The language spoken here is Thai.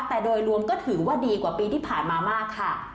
แต่โดยรวมก็ถือว่าดีกว่าปีที่ผ่านมามากค่ะ